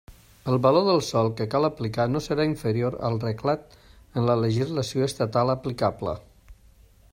El valor del sòl que cal aplicar no serà inferior al reglat en la legislació estatal aplicable.